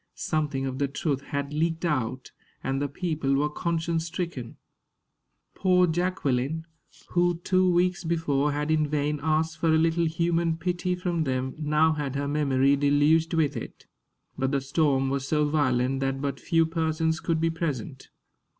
Something of the truth had leaked out, and the people were conscience stricken. Poor Jacqueline, who two weeks before had in vain asked for a little human pity from them, now had her memory deluged with it. But the storm was so violent that but few persons could be present.